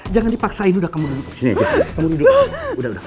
jangan dipaksain udah kamu duduk disini aja